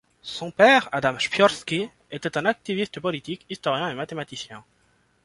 Son père, Adam Szczypiorski, était un activiste politique, historien et mathématicien.